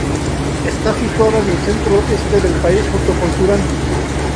Está situada en el centro-este del país, junto con Sudán.